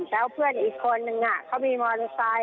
แล้วเพื่อนอีกคนนึงเขามีมอเตอร์ไซค